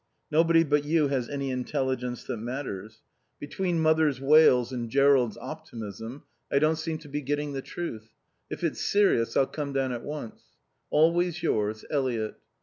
Nobody but you has any intelligence that matters. Between Mother's wails and Jerrold's optimism I don't seem to be getting the truth. If it's serious I'll come down at once. Always yours, Eliot.